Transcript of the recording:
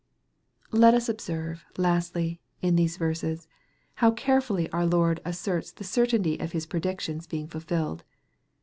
Let us observe, lastly, in these verses, how carefully our Lord asserts the certainty of His predictions being fulfilled.